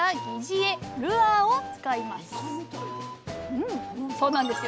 うんそうなんですよ。